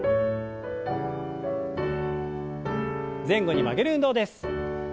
前後に曲げる運動です。